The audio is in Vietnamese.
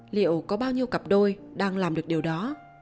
liệu có bao nhiêu cặp đôi đang làm được điều đó